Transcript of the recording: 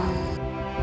itu ide bagus